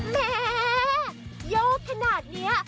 แม่โยกขนาดนี้